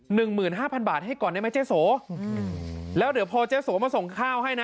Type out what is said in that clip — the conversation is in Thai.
หนึ่งหมื่นห้าพันบาทให้ก่อนได้ไหมเจ๊โสอืมแล้วเดี๋ยวพอเจ๊โสมาส่งข้าวให้นะ